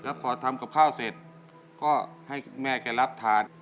แล้วพอทำกับข้าวเสร็จก็ให้แม่แกรับถาด